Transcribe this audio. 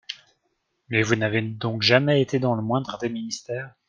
Mais vous n’avez donc jamais été dans le moindre des ministères ?